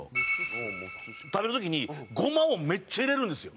食べる時にゴマをめっちゃ入れるんですよ。